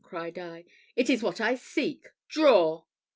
cried I. "It is what I seek! draw!"